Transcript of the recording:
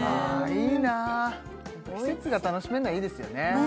いいな季節が楽しめるのはいいですよね